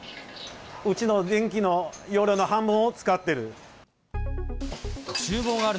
うちの電気の容量の半分を使ってる。